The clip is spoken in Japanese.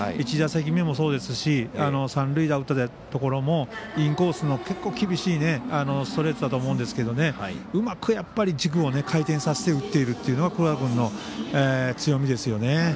１打席目もそうですし三塁打、打ったところもインコースの結構厳しいストレートだと思うんですけどうまく軸を回転させて打っているというのが黒田君の強みですよね。